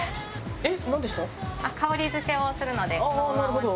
えっ！